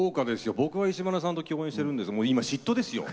僕は石丸さんと共演していますが嫉妬ですよ。